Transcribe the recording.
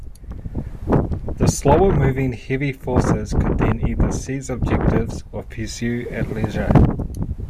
The slower moving heavy forces could then either seize objectives or pursue at leisure.